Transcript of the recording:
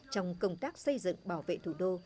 trong công tác xây dựng bảo vệ thủ đô